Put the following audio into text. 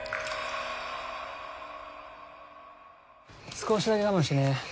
少しだけ我慢してね。